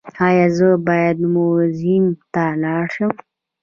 ایا زه باید موزیم ته لاړ شم؟